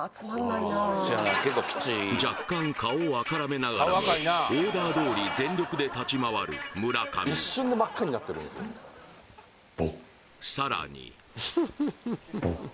若干顔を赤らめながらもオーダーどおり全力で立ち回る村上さらにボッ